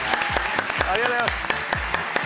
ありがとうございます。